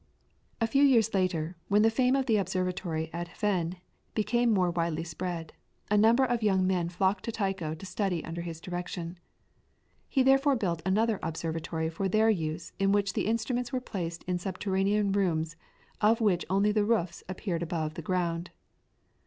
A few years later, when the fame of the observatory at Hven became more widely spread, a number of young men flocked to Tycho to study under his direction. He therefore built another observatory for their use in which the instruments were placed in subterranean rooms of which only the roofs appeared above the ground.